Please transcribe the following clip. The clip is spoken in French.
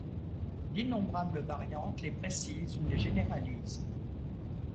D'innombrables variantes les précisent ou les généralisent.